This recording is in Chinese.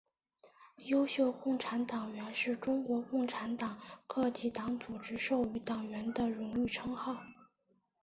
优秀共产党员是中国共产党各级党组织授予党员的荣誉称号。